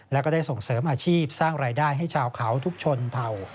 แล้วก็ได้ส่งเสริมอาชีพสร้างรายได้ให้ชาวเขาทุกชนเผ่า